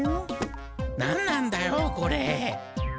何なんだよこれ。